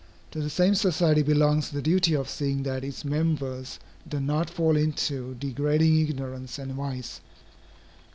To the same society belongs the duty of seeing that its members do not fall into degrading ignorance and vice.